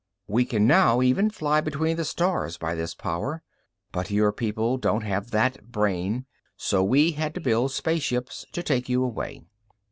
We can now even, fly between the stars, by this power. But your people don't have that brain, so we had to build spaceships to take you away."